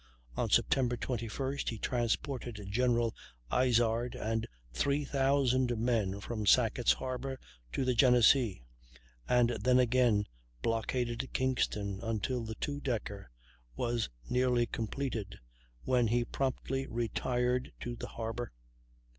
On September 21st he transported General Izard and 3,000 men from Sackett's Harbor to the Genesee; and then again blockaded Kingston until the two decker was nearly completed, when he promptly retired to the Harbor.